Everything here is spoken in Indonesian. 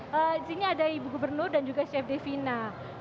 di sini ada ibu gubernur dan juga chef devina